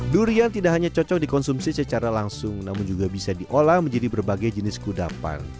durian tidak hanya cocok dikonsumsi secara langsung namun juga bisa diolah menjadi berbagai jenis kudapan